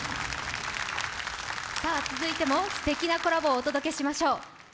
続いても、すてきなコラボをお届けしましょう。